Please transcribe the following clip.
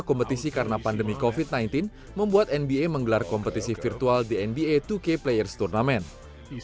kompetisi karena pandemi kofit sembilan belas membuat nba menggelar kompetisi virtual di nba dua k players tournament di